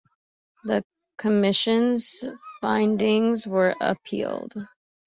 The Commission's findings were appealed.